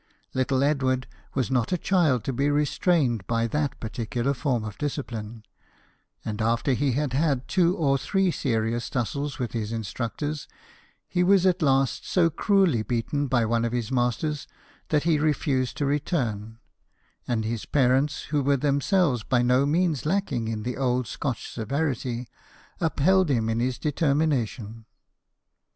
Little Edward was not a child to be restrained by that particular form of discipline ; and after he had had two or three serious tussles with his instructors, he was at THOMAS EDWARD, SHOEMAKER. 169 last so cruelly beaten by one of his masters that he refused to return, and his parents, who were themselves by no means lacking in old Scotch severity, upheld him in his determination.